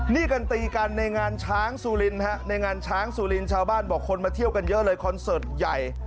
นี่กันตีกันในงานช้างสุรินฮะในงานช้างสุรินทร์ชาวบ้านบอกคนมาเที่ยวกันเยอะเลยคอนเสิร์ตใหญ่